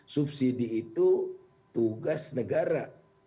subsidi itu tugas negara